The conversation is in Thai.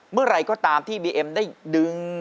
เมื่อไหร่ก็ตามที่บีเอ็มได้ดึง